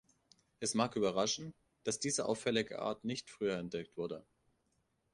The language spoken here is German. Es mag überraschen, dass diese auffällige Art nicht früher entdeckt wurde.